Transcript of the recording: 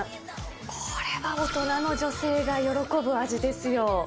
これは大人の女性が喜ぶ味ですよ。